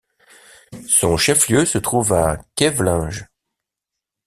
Son chef-lieu se trouve à Kävlinge.